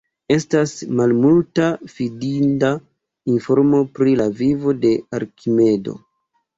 Estas malmulta fidinda informo pri la vivo de Arkimedo.